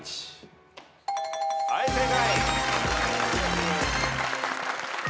はい正解。